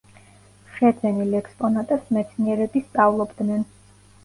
შეძენილ ექსპონატებს მეცნიერები სწავლობდნენ.